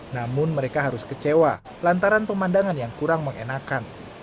namun mereka harus kecewa lantaran pemandangan yang kurang mengenakan